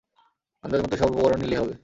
আন্দাজ মতো সব উপকরণ নিলেই হবে।